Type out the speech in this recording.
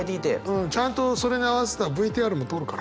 うんちゃんとそれに合わせたＶＴＲも撮るから。